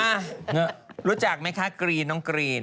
รู้จักไหมคะกรีนน้องกรีน